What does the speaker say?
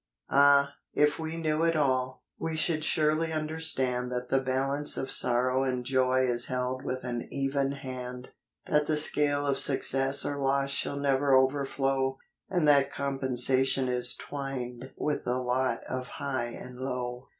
Ah ! if we knew it all, we should surely understand That the balance of sorrow and joy is held with an even hand, That the scale of success or loss shall never overflow, And that compensation is twined with the lot of high and low.